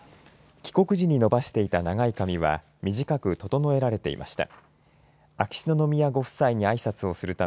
帰国時に伸ばしていた長い髪は短く整えられていました。